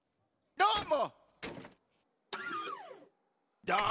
どーも。